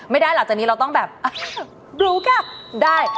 หลังจากนี้เราต้องแบบรู้ค่ะได้